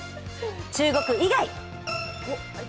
中国以外！